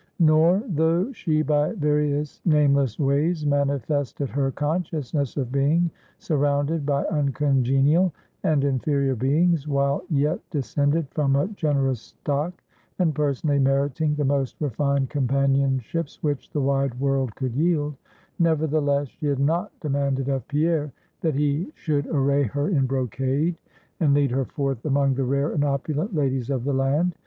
Nor, though she by various nameless ways, manifested her consciousness of being surrounded by uncongenial and inferior beings, while yet descended from a generous stock, and personally meriting the most refined companionships which the wide world could yield; nevertheless, she had not demanded of Pierre that he should array her in brocade, and lead her forth among the rare and opulent ladies of the land.